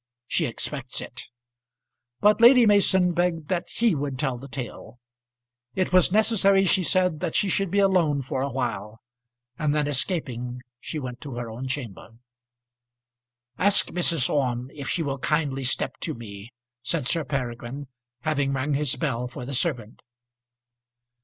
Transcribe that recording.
She expects it." But Lady Mason begged that he would tell the tale. It was necessary, she said, that she should be alone for a while. And then, escaping, she went to her own chamber. "Ask Mrs. Orme if she will kindly step to me," said Sir Peregrine, having rang his bell for the servant.